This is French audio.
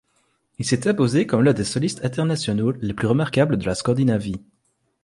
Il s'est imposé comme l'un des solistes internationaux les plus remarquables de la Scandinavie.